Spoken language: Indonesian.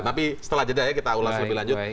tapi setelah itu kita ulas lebih lanjut